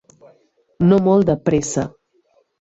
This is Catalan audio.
No molt de Pressa.